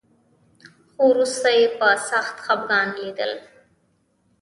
خو وروسته یې په سخت خپګان لیدل